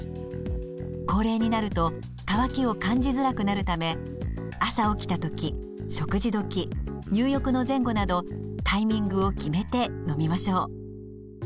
高齢になると渇きを感じづらくなるため朝起きた時食事時入浴の前後などタイミングを決めて飲みましょう。